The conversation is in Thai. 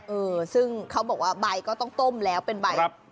เออซึ่งเขาบอกว่าใบก็ต้องต้มแล้วเป็นใบ